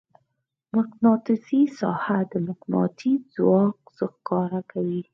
مقناطیسي ساحه د مقناطیس ځواک ښکاره کوي.